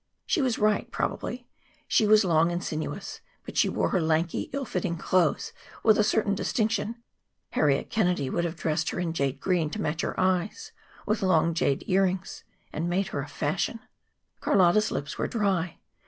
She was right, probably. She was long and sinuous, but she wore her lanky, ill fitting clothes with a certain distinction. Harriet Kennedy would have dressed her in jade green to match her eyes, and with long jade earrings, and made her a fashion. Carlotta's lips were dry.